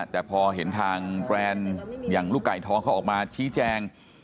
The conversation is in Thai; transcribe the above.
แต่พอเห็นทางแบรนด์อย่างลูกไก่ทองเขาออกมาชี้แจง